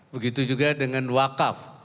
begitu juga dengan wakaf